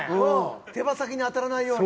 手羽先に当たらないように。